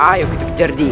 ayo kita kejar dia